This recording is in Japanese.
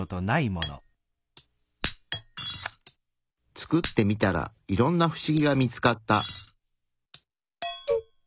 作ってみたらいろんなフシギが見つかった。